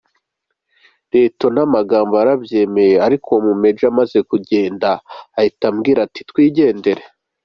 Lt Magambo yarabyemeye, ariko uwo mu Major amaze kugenda ahita atubwira ati: twigendere.